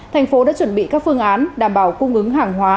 thành phố đã chuẩn bị các phương án đảm bảo cung ứng hàng hóa